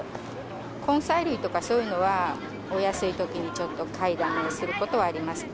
根菜類とかそういうのは、お安いときにちょっと買いだめすることはありますよね。